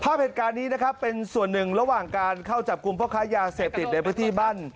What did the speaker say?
ภาพเหตุการณ์นี้นะครับเป็นส่วนหนึ่งระหว่างการเข้าจับกลุ่มพ่อค้ายาเสพติดในพื้นที่บ้าน